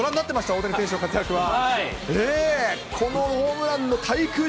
大谷選手の活躍は。